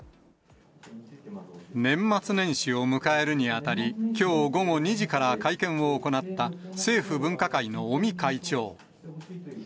年末年始を迎えるにあたり、きょう午後２時から会見を行った、政府分科会の尾身会長。